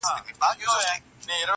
جانان پاته پر وطن زه یې پرېښودم یوازي!!